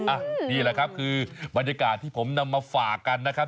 นี่แหละครับคือบรรยากาศที่ผมนำมาฝากกันนะครับ